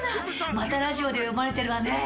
またラジオで読まれてるわね。